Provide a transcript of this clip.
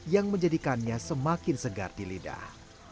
yang menjadikannya semakin segar di lidah